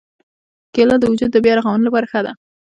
کېله د وجود د بیا رغونې لپاره ښه ده.